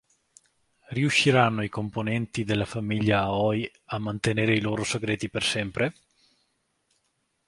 Riusciranno i componenti della famiglia Aoi a mantenere i loro segreti per sempre?